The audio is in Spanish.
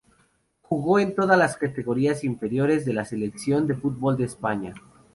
Jugó en todas las categorías inferiores de la selección de fútbol de España.